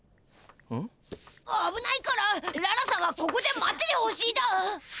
あぶないからララさんはここで待っててほしいだ。